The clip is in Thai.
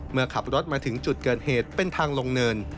เมื่อขับรถมาถึงจุดเกิดเหตุเป็นทางลงเนิน